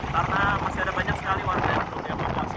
karena masih ada banyak sekali warga untuk melihat situasi